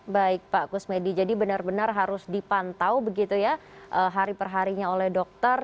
baik pak kusmedi jadi benar benar harus dipantau begitu ya hari perharinya oleh dokter